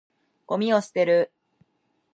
ゴミを捨てる。